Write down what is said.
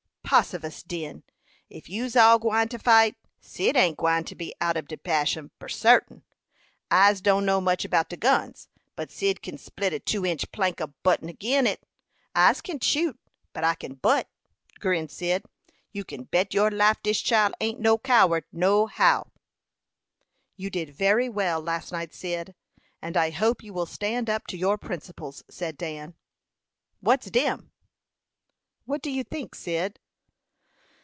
"Possifus! Den, if you's all gwine to fight, Cyd ain't gwine to be out ob de fashion, for sartin. I's don't know much about de guns, but Cyd kin split a two inch plank a buttin agin it. I's can't shoot, but I can butt," grinned Cyd. "You kin bet your life dis chile ain't no coward, no how." "You did very well last night, Cyd, and I hope you will stand up to your principles," said Dan. "What's dem?" "What do you think, Cyd?"